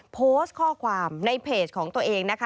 โพสต์ข้อความในเพจของตัวเองนะคะ